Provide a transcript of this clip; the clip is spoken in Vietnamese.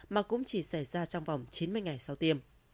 mà cũng chỉ xảy ra trong vòng chín mươi ngày sau tiêm